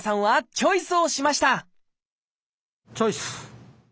チョイス！